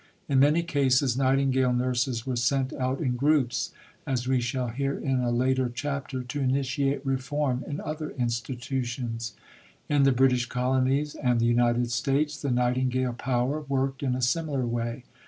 In many cases Nightingale nurses were sent out in groups, as we shall hear in a later chapter, to initiate reform in other institutions. In the British Colonies and the United States the "Nightingale power" worked in a similar way.